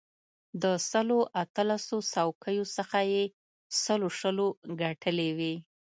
له سلو اتلسو څوکیو څخه یې سلو شلو ګټلې وې.